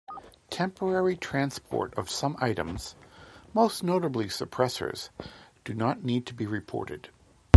Temporary transport of some items, most notably suppressors, do not need to be reported.